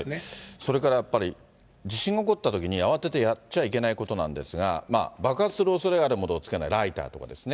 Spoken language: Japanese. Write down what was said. それからやっぱり地震が起こったときに、慌ててやっちゃいけないことなんですが、爆発するおそれがあるものをつけない、ライターとかですね。